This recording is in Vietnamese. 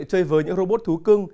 chơi với những robot thú cưng